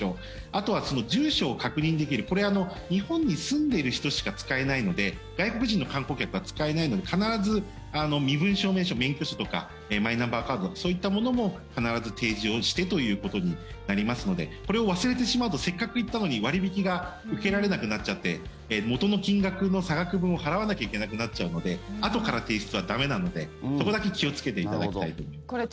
あとは住所を確認できるこれは日本に住んでいる人しか使えないので外国人の観光客は使えないので必ず身分証明書免許証とかマイナンバーカードとかそういったものも必ず提示をしてということになりますのでこれを忘れてしまうとせっかく行ったのに割引が受けられなくなっちゃって元の金額の差額分を払わなきゃいけなくなっちゃうのであとから提出は駄目なのでそこだけ気をつけていただきたいと思います。